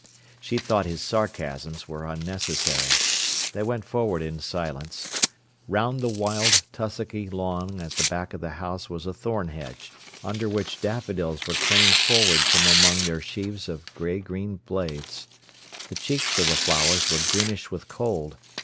She thought his sarcasms were unnecessary. They went forward in silence. Round the wild, tussocky lawn at the back of the house was a thorn hedge, under which daffodils were craning forward from among their sheaves of grey green blades. The cheeks of the flowers were greenish with cold.